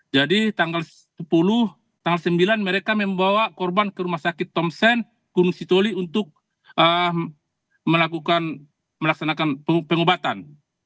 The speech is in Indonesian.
jadi tanggal sepuluh tanggal sembilan mereka membawa korban ke rumah sakit tom sen gunung sitoli untuk melakukan melaksanakan pengobatan